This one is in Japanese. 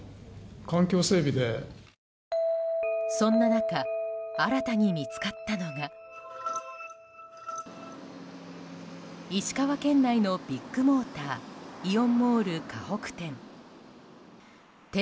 そんな中新たに見つかったのが石川県内のビッグモーターイオンモールかほく店。